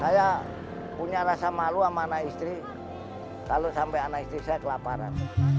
saya punya rasa malu sama anak istri kalau sampai anak istri saya kelaparan